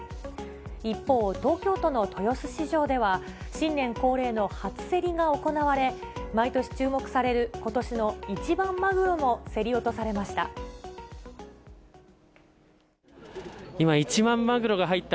一方、東京都の豊洲市場では、新年恒例の初競りが行われ、毎年注目される、ことしの一番マグロも競り落とされました。